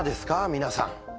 皆さん。